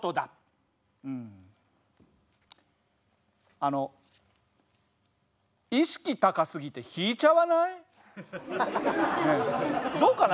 あの意識高すぎて引いちゃわない？どうかな？